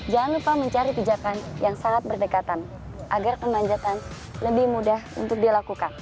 jangan lupa mencari pijakan yang sangat berdekatan agar pemanjatan lebih mudah untuk dilakukan